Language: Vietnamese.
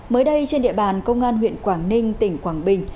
mới đây trên địa bàn công an huyện quảng ninh tỉnh quảng bình